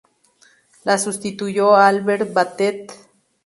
La sustituyó Albert Batet.